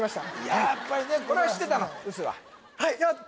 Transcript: やっぱりねこれは知ってたの？